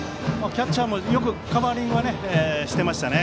キャッチャーも、よくカバーリングしていましたね。